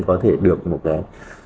có thể được một cái